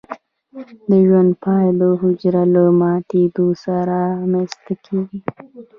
د ژوند پای د حجره له ماتیدو سره رامینځته کیږي.